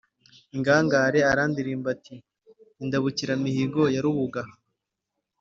Ingangare arandirimba, ati: Indabukiramihigo ya Rubuga